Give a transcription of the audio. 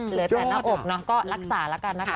เหลือแต่หน้าอกเนาะก็รักษาแล้วกันนะคะ